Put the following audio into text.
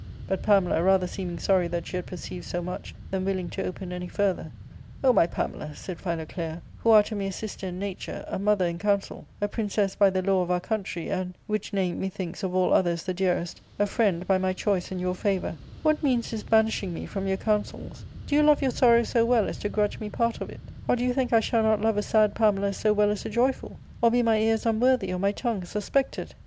But Pamela, rather seeming sorry that she had perceived so much than willing to open any further, " O my Pamela," said Philoclea, "who are to me a sister in nature, a mother in counsel, a princess by the law of our country, and — which name, methinks, of all other is the dearest — a friend by my choice and your favour, what means this banishing me from your counsels 1 Do you love your sorrow so well as to grudge me part of it ? Or do you think I shall not love a sad Pamela so well as a joyful ? Or be my ears unworthy, or my tongue suspected?